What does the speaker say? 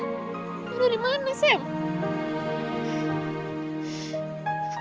tapi orang itu gak bisa dia nembak